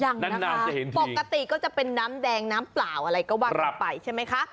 ยังนะคะปกติก็จะเป็นน้ำแดงน้ำเปล่าอะไรก็ว่ากันไปใช่ไหมคะ